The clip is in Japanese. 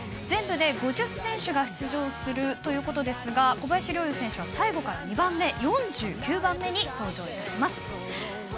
全部で５０選手が出場するということですが小林陵侑選手は最後から２番目４９番目に登場します。